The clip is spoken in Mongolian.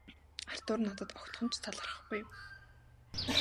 Артур надад огтхон ч талархахгүй юм.